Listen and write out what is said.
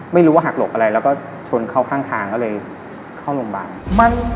ไม่รู้ว่าหักหลบอะไรแล้วก็ชนเข้าข้างทางก็เลยเข้าโรงพยาบาล